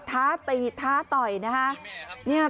ท้าต่อยนะคะ